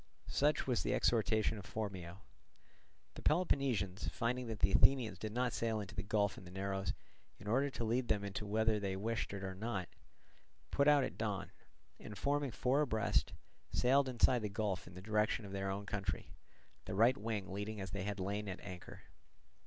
Such was the exhortation of Phormio. The Peloponnesians finding that the Athenians did not sail into the gulf and the narrows, in order to lead them in whether they wished it or not, put out at dawn, and forming four abreast, sailed inside the gulf in the direction of their own country, the right wing leading as they had lain at anchor.